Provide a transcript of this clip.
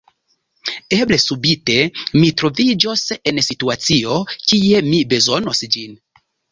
Eble subite, mi troviĝos en situacio, kie mi bezonos ĝin.